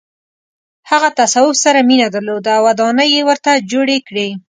هغه تصوف سره مینه درلوده او ودانۍ یې ورته جوړې کړې.